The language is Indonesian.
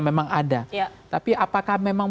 memang ada tapi apakah memang